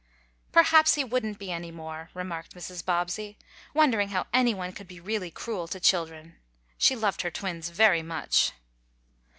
"Perhaps he wouldn't be any more," remarked Mrs. Bobbsey, wondering how anyone could be really cruel to children. She loved her twins very much.